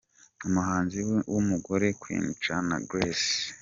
Umuhanzi w’ umugore : Queen Cha na Grace .